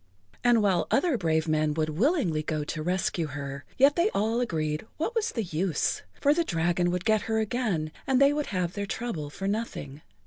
And while other brave men would willingly go to rescue her, yet they all agreed what was the use, for the dragon would get her again and they would have their trouble for nothing.